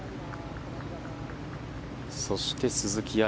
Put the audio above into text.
そして、鈴木愛